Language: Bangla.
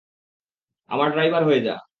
আমার ড্রাইভার হয়ে যা।